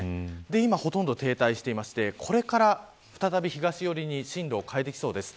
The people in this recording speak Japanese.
今ほとんど停滞していてこれから再び東寄りに進路を変えてきそうです。